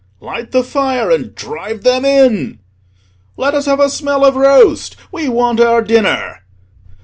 "Light the fire and drive them in!" "Let us have a smell of roast—we want our dinner!"